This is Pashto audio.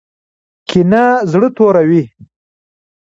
کینه زړه توروي